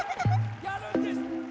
やるんです！